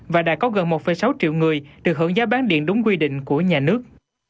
và đã có gần một sáu triệu người được hưởng giá bán điện đúng quy định của nhà nước